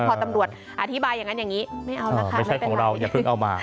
พอตำรวจอธิบายอย่างนั้นอย่างนี้ไม่เอานะคะไม่ใช่ของเราอย่าเพิ่งเอามา